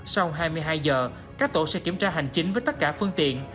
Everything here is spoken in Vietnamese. sau hai mươi hai giờ các tổ sẽ kiểm tra hành chính với tất cả phương tiện